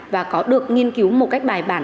và có được nghiên cứu một cách bài bản